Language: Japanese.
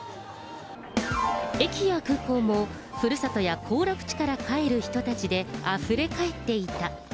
駅や空港も、ふるさとや行楽地から帰る人であふれかえっていた。